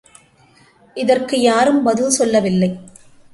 இதற்கு யாரும் பதில் சொல்லவில்லை.